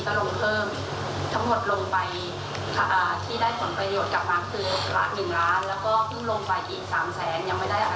ก็ลงเพิ่มทั้งหมดลงไปที่ได้ผลประโยชน์กลับมาคือ๑ล้านบาท